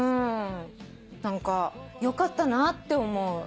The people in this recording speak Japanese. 何かよかったなって思う。